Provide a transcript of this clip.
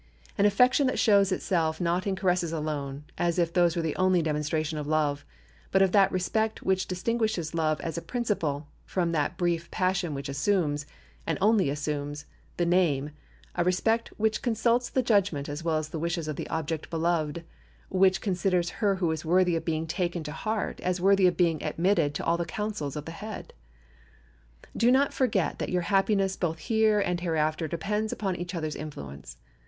An affection that shows itself not in caresses alone, as if these were the only demonstration of love, but of that respect which distinguishes love as a principle, from that brief passion which assumes, and only assumes, the name—a respect which consults the judgment as well as the wishes of the object beloved, which considers her who is worthy of being taken to the heart as worthy of being admitted to all the counsels of the head. Do not forget that your happiness both here and hereafter depends upon each other's influence.